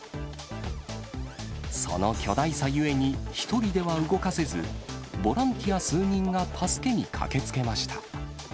その巨大さゆえに、１人では動かせず、ボランティア数人が助けに駆けつけました。